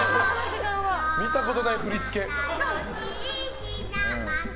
見たことない振付。